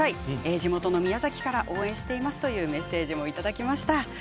地元の宮崎から応援していますというメッセージもいただきました。